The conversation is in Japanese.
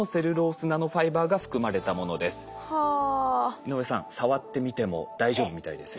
井上さん触ってみても大丈夫みたいですよ。